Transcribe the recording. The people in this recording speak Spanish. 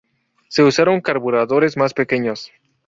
Se usaron carburadores más pequeños.